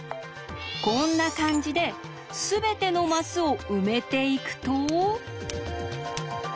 こんな感じで全てのマスを埋めていくと。